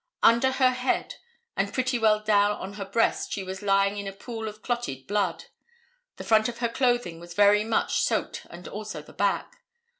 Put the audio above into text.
Under her head and pretty well down on her breast she was lying in a pool of clotted blood. The front of the clothing was very much soaked and also the back.